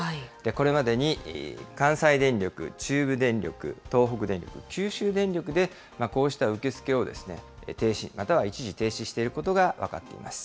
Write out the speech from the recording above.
これまでに関西電力、中部電力、東北電力、九州電力で、こうした受け付けを停止、または一時停止していることが分かっています。